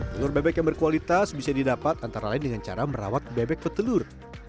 telur bebek yang berkualitas bisa didapat antara lain dengan cara merawat bebek petelur